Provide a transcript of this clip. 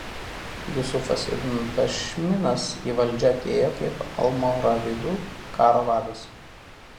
Jusufas ibn Tašminas į valdžią atėjo kaip Almoravidų karo vadas.